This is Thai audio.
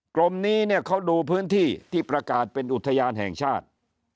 กรมนี้เนี่ยเขาดูพื้นที่ที่ประกาศเป็นอุทยานแห่งชาติ